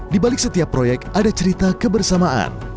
di balik setiap proyek ada cerita kebersamaan